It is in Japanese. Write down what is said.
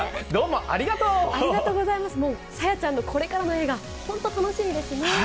もう、さやちゃんのこれからの絵が、本当楽しみですね。